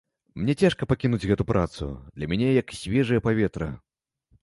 Мне цяжка пакінуць гэту працу, для мяне як свежае паветра.